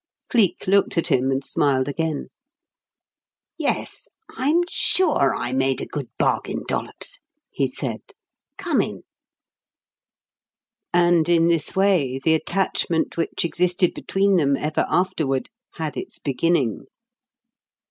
Cleek looked at him and smiled again. "Yes, I'm sure I made a good bargain, Dollops," he said. "Come in." And in this way the attachment which existed between them ever afterward had its beginning.